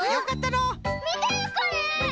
みてこれ！